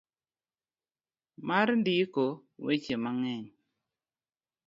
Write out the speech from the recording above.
mar ndiko weche mang'eny.